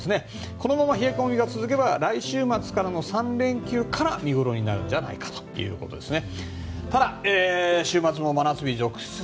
このまま冷え込みが続けば来週末の３連休から見ごろになるんじゃないかということですね。